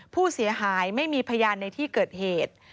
ผู้เสียหายไม่มีพยานในที่เกิดเหตุ